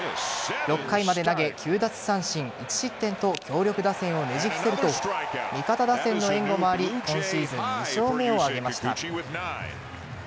６回まで投げ、９奪三振１失点と強力打線をねじ伏せると味方打線の援護もあり今シーズン２勝目を挙げました。